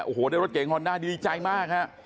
โอ้โหได้รถเก่งฮอนด้าดีใจมากฮะ